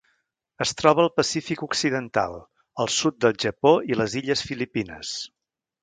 Es troba al Pacífic occidental: el sud del Japó i les illes Filipines.